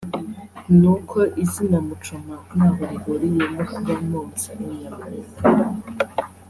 ni uko izina Muchoma ntaho rihuriye no kuba nonsa inyama